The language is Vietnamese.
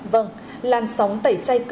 vâng làn sóng tẩy chay cực kỳ